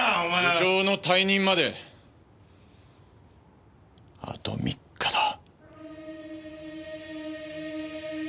部長の退任まであと３日だ。